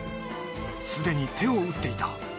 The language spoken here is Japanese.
すでに手を打っていた。